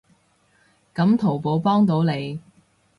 噉淘寶幫到你